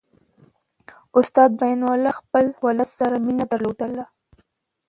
استاد بينوا له خپل ولس سره مینه درلودله.